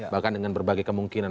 bahkan dengan berbagai kemungkinan